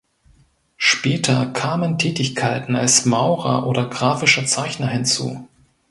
Später kamen Tätigkeiten als Maurer oder grafischer Zeichner hinzu.